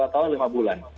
dua tahun lima bulan